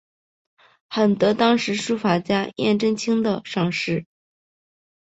很得当时书法家颜真卿的赏识。